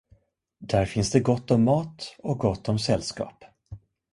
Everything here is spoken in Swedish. Där finns det gott om mat och gott om sällskap.